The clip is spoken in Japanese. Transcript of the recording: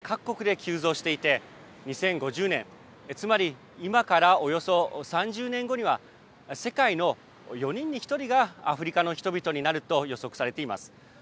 まず、人口でいえば、アフリカ各国で急増していて、２０５０年、つまり、今からおよそ３０年後には、世界の４人に１人がアフリカの人々になると予測されています。